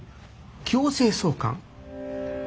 強制送還。